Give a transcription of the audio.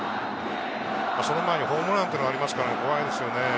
その前にホームランっていうのがありますから怖いですよね。